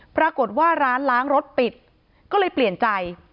ปรากฏว่าร้านล้างรถปิดก็เลยเปลี่ยนใจ